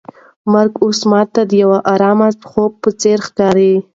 مرګ اوس ماته د یو ارام خوب په څېر ښکاري.